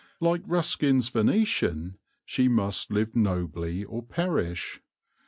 Like Ruskin's Venetian, she must live nobly or perish.